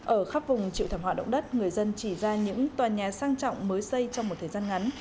ở khắp vùng chịu thảm họa động đất người dân chỉ ra những tòa nhà sang trọng mới xây trong một thời gian ngắn